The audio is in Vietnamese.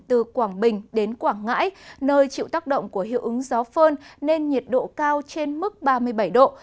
từ quảng bình đến quảng ngãi nơi chịu tác động của hiệu ứng gió phơn nên nhiệt độ cao trên mức ba mươi bảy độ